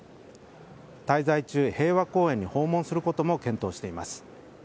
滞在中、平和公園に訪問することも検討しています。